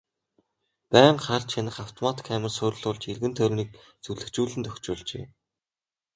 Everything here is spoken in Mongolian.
Байнга харж хянах автомат камер суурилуулж эргэн тойрныг зүлэгжүүлэн тохижуулжээ.